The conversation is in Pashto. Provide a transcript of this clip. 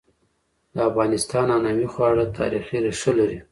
د افغانستان عنعنوي خواړه تاریخي ريښه لري.